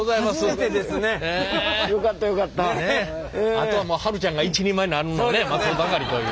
あとは春ちゃんが一人前になるのをね待つばかりという。